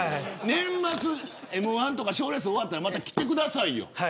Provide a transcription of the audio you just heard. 年末、Ｍ‐１とか賞レース終わったら来てくださいよ。